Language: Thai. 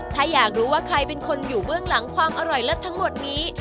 ถ้าอยากรู้ว่าใครเป็นคนอยู่เบื้องหลังความอร่อยเลิศทั้งหมดนี้